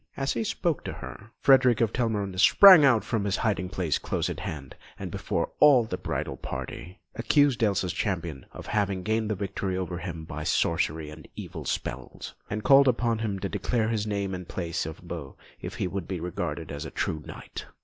As he spoke to her, Frederick of Telramund sprang out from a hiding place close at hand, and, before all the bridal party, accused Elsa's Champion of having gained the victory over him by sorcery and evil spells, and called upon him to declare his name and place of abode if he would be regarded as a true knight.